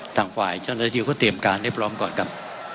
ทางฝ่ายเจ้าและเดี๋ยวก็เตรียมการได้พร้อมก่อนกับ